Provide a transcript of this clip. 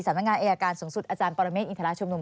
นักงานอายการสูงสุดอาจารย์ปรเมฆอินทราชุมนุม